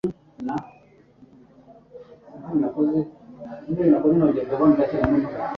Sinatekerezaga ko ari ikintu kinini